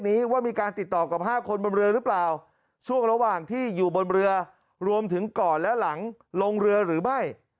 นี้ว่ามีการติดต่อกับ๕คนบนเรือหรือเปล่าช่วงระหว่างที่อยู่บนเรือรวมถึงก่อนและหลังลงเรือหรือไม่